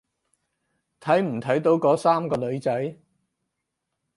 睇唔睇到嗰三個女仔？